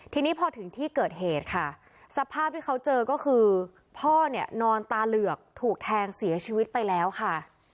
ทีนี้พอถึงที่เกิดเหตุค่ะสภาพที่เขาเจอก็คือพ่อเนี่ยนอนตาเหลือกถูกแทงเสียชีวิตไปแล้วค่ะ